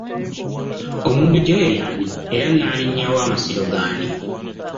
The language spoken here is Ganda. Omumbejja oyo y’ani era Nnaalinya wa Masiro g’ani?